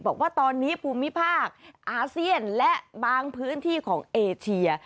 บอกว่าตอนนี้ภูมิภาคอาเซียนและบางพื้นที่ของเอเชีย